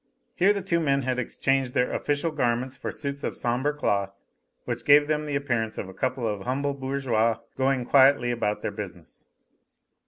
Here the two men had exchanged their official garments for suits of sombre cloth, which gave them the appearance of a couple of humble bourgeois going quietly about their business.